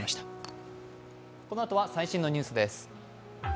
このあとは最新のニュースです。